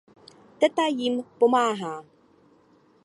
Teta jim pomáhá.